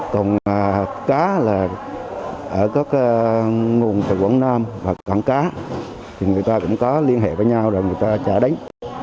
còn cá là ở các nguồn từ quận nam và con cá thì người ta cũng có liên hệ với nhau rồi người ta trả đánh